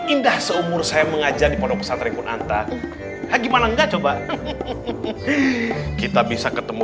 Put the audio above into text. indah seumur sayang mengajar di produk santai pun antar witchy mana enggak coba kita bisa ketemu